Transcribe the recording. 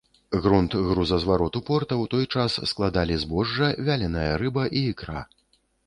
Грунт грузазвароту порта ў той час складалі збожжа, вяленая рыба і ікра.